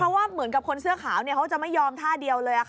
เพราะว่าเหมือนกับคนเสื้อขาวเขาจะไม่ยอมท่าเดียวเลย